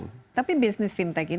sekarang semua belanja baju apa gitu